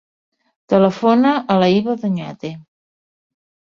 Telefona a la Hiba Doñate.